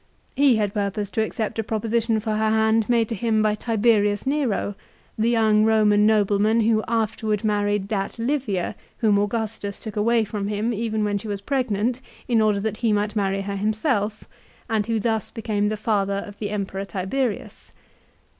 He had purposed to accept a proposition for her hand made to him by Tiberius Nero, the young Koman nobleman who afterwards married that Livia whom Augustus took away from him even when she was pregnant, in order that he might marry her him self, and who thus became the father of the Emperor Tiberius.